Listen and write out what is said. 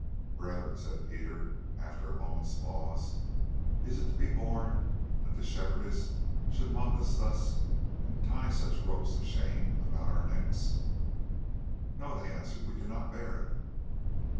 "Brethren," said Peter after a moment's pause, "is it to be borne that the Shepherdess should mock us thus and tie such ropes of shame about our necks?" "No," they answered, "we cannot bear it."